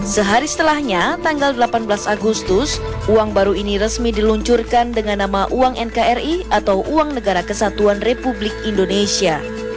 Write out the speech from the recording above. sehari setelahnya tanggal delapan belas agustus uang baru ini resmi diluncurkan dengan nama uang nkri atau uang negara kesatuan republik indonesia